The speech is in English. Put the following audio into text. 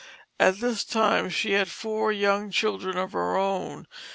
At this time she had four young children of her own.